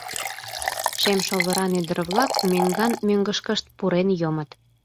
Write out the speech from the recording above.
Шем шовыран ӱдыр-влак мӧҥган-мӧҥгышкышт пурен йомыт.